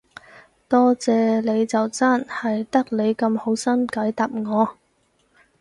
多謝你就真，係得你咁好心解答我